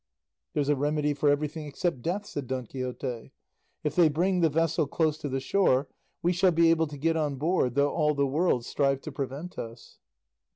"There's a remedy for everything except death," said Don Quixote; "if they bring the vessel close to the shore we shall be able to get on board though all the world strive to prevent us."